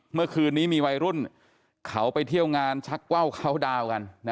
เมื่อคืนนี้มีวัยรุ่นเขาไปเที่ยวงานชักว่าวเขาดาวกัน